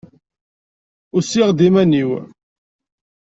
Usiɣ-d iman-iw.